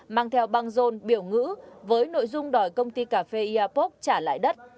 mang theo băng rôn biểu ngữ với nội dung đòi công ty cà phê airpoc trả lại đất